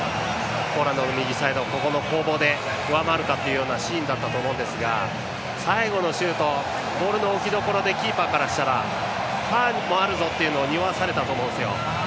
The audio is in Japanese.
ポーランドの右サイドここの攻防で上回るかのシーンだったと思いますが最後のシュートボールの置きどころでキーパーからしたらファーもあるぞというのをにおわされたと思うんですよ。